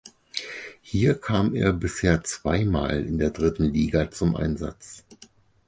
Hier kam er bisher zweimal in der dritten Liga zum Einsatz.